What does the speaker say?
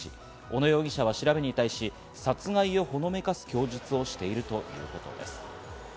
小野容疑者は調べに対し殺害をほのめかす供述をしているということです。